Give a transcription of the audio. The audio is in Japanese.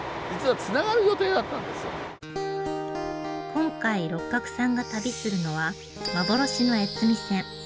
今回六角さんが旅するのは幻の越美線。